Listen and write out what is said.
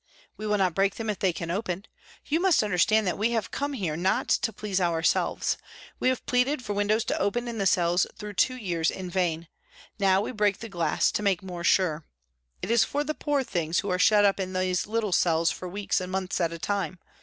" We will not break them if they can open. You must understand that we have P. Q 226 PRISONS AND PRISONERS come here, not to please ourselves ; we have pleaded for windows to open in the cells through two years in vain. Now we break the glass to make more sure. It is for the poor things who are shut up in these little cells for weeks and months at a time.